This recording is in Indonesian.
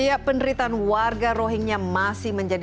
iya peneritan warga rohingya masih mencapai